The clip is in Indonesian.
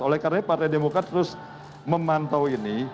oleh karena partai demokrat terus memantau ini